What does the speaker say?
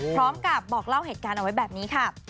พร้อมกับบอกเล่าเหตุการณ์เอาไว้แบบนี้ค่ะ